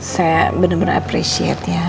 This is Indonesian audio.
saya bener bener appreciate ya